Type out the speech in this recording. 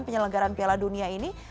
menyelenggaran piala dunia ini